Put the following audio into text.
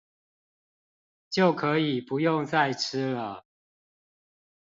就可以不用再吃了